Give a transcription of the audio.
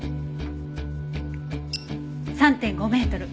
３．５メートル。